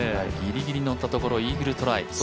ギリギリのったところをイーグルトライ。